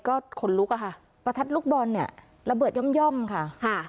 ก็ขนลุกอะค่ะประทัดลูกบอลเนี่ยระเบิดย่อมค่ะค่ะ